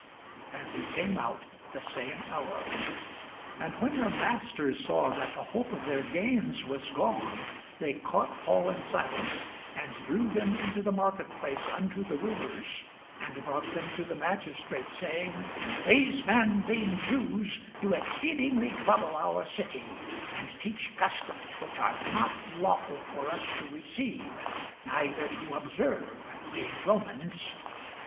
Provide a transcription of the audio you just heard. And he came out the same hour. And when her masters saw that the hope of their gains was gone, they caught Paul and Silas, and drew them into the marketplace unto the rulers, and brought them to the magistrates, saying, These men, being Jews, do exceedingly trouble our city, and teach customs, which are not lawful for us to receive, neither to observe, being Romans.